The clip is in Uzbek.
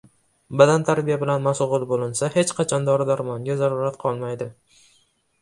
Badantarbiya bilan mashg‘ul bo‘linsa, hech qanday dori-darmonga zarurat qolmaydi.